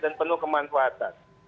dan penuh kemanfaatan